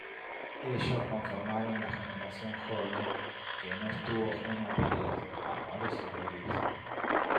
Ellos conformaron la generación joven, que no estuvo ajena a peleas, amores y alegrías.